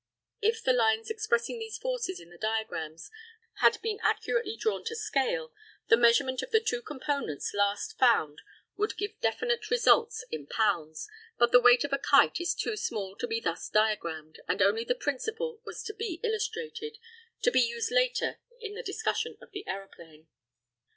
If the lines expressing these forces in the diagrams had been accurately drawn to scale, the measurement of the two components last found would give definite results in pounds; but the weight of a kite is too small to be thus diagrammed, and only the principle was to be illustrated, to be used later in the discussion of the aeroplane.